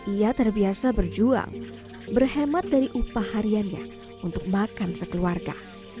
ia terbiasa berjuang berhemat dari upah hariannya untuk makan sekeluarga